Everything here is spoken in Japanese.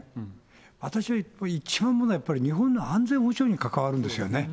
私は一番思うのは日本の安全保障に関わるんですよね。